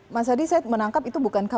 mas hadi saya menangkap itu bukan khawatir lagi